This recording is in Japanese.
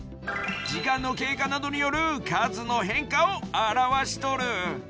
時間の経過などによる数の変化を表しとる。